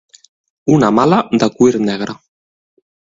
Una mala de cuir negre.